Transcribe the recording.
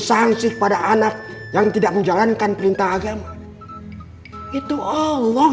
sanksi kepada anak yang tidak menjalankan perintah agama itu allah